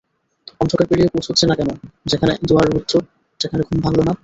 অন্ধকার পেরিয়ে পৌঁচচ্ছে না কেন যেখানে দুয়ার রুদ্ধ, যেখানে ঘুম ভাঙল না?